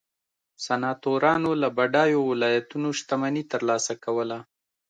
سناتورانو له بډایو ولایتونو شتمني ترلاسه کوله